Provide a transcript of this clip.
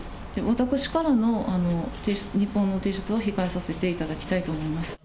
私からの日報の提出は控えさせていただきたいと思います。